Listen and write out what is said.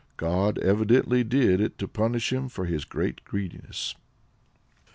God evidently did it to punish him for his great greediness.